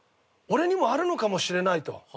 俺にもあるのかもしれないと。